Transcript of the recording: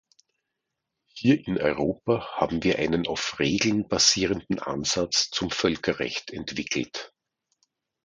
Hier in Europa haben wir einen auf Regeln basierenden Ansatz zum Völkerrecht entwickelt.